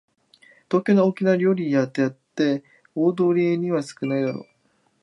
東京の大きな料理屋だって大通りには少ないだろう